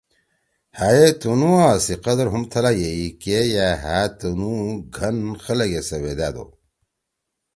ہأ ئے تُںُوا سی قدر ہُم تھلا ییی کے یأ ہأ تُنُو ”گھن خلگےسیِویِدأدو۔